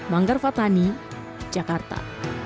manggar fathani jakarta